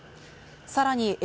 さらに。